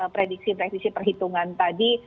prediksi prediksi perhitungan tadi